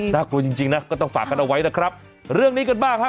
กลัวจริงจริงนะก็ต้องฝากกันเอาไว้นะครับเรื่องนี้กันบ้างฮะ